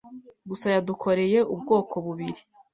gusa yadukoreye ubwoko bubiri